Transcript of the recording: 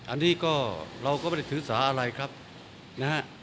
อันนี้ก็เราก็ไม่ได้ถือสาอะไรครับนะฮะ